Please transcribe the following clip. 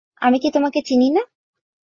আমি কি তোমাকে চিনি না?